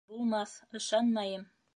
Булмаҫ, ышанмайым!